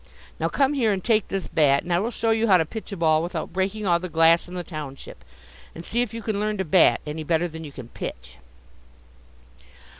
Now come here and take this bat, and I will show you how to pitch a ball without breaking all the glass in the township. And see if you can learn to bat any better than you can pitch."